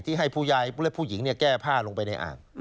ให้ผู้ยายและผู้หญิงแก้ผ้าลงไปในอ่าง